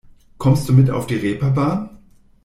Kommst du mit auf die Reeperbahn?